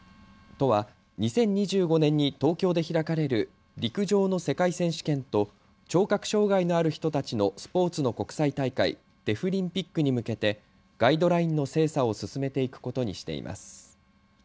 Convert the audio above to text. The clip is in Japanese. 都は２０２５年に東京で開かれる陸上の世界選手権と聴覚障害のある人たちのスポーツの国際大会デフリンピックに向けてガイドラインの精査を進めていくことにしています。